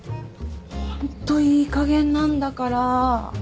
ホントいいかげんなんだから。